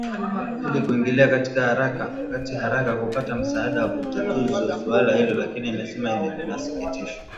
ili kuingilia kati haraka kupata msaada wa utatuzi wa suala hilo lakini imesema inasikitishwa